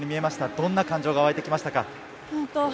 どんな感情が湧いてきましたか。